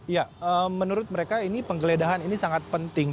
ya menurut mereka ini penggeledahan ini sangat penting